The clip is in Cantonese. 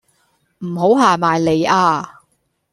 唔好行埋嚟呀